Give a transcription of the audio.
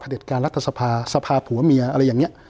เด็จการรัฐสภาสภาพผัวเมียอะไรอย่างนี้